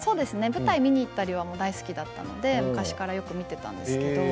舞台を見に行ったりは大好きだったので昔からよく見ていたんですけれども。